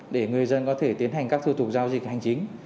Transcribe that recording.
để người dân có thể tiến hành các thư thuộc giao dịch hành chính